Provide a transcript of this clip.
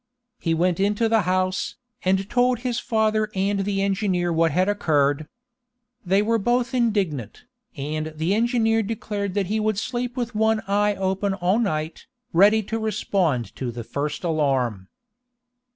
He went into the house, and told his father and the engineer what had occurred. They were both indignant, and the engineer declared that he would sleep with one eye open all night, ready to respond to the first alarm.